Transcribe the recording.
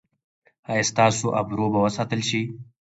ایا ستاسو ابرو به وساتل شي؟